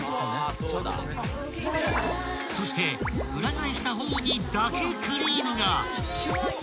［そして裏返した方にだけクリームが］